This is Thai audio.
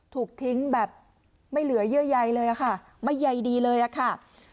ถูกทิ้งแบบไม่เหลือเยื่อใยเลยค่ะไม่ใยดีเลยอะค่ะ